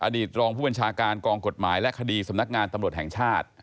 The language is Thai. ตรองผู้บัญชาการกองกฎหมายและคดีสำนักงานตำรวจแห่งชาติ